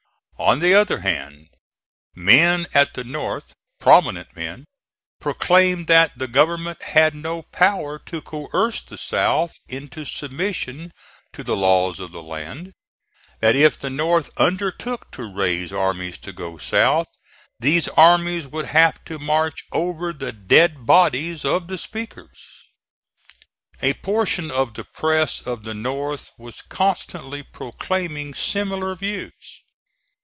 On the other hand men at the North prominent men proclaimed that the government had no power to coerce the South into submission to the laws of the land; that if the North undertook to raise armies to go south, these armies would have to march over the dead bodies of the speakers. A portion of the press of the North was constantly proclaiming similar views.